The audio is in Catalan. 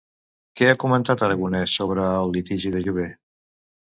Què ha comentat Aragonès sobre el litigi de Jové?